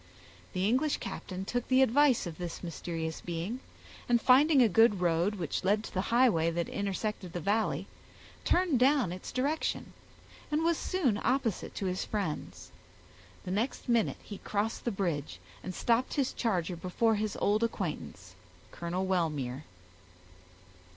The English captain took the advice of this mysterious being, and finding a good road, which led to the highway, that intersected the valley, turned down its direction, and was soon opposite to his friends. The next minute he crossed the bridge, and stopped his charger before his old acquaintance, Colonel Wellmere.